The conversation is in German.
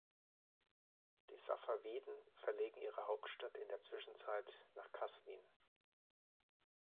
Die Safawiden verlegen ihre Hauptstadt in der Zwischenzeit nach Qazvin.